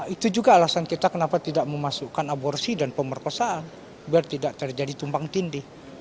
itu juga alasan kita kenapa tidak memasukkan aborsi dan pemerkosaan biar tidak terjadi tumpang tindih